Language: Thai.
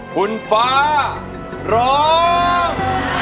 คุณฟ้าร้อง